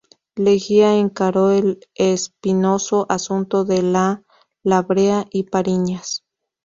Leguía encaró el espinoso asunto de la La Brea y Pariñas.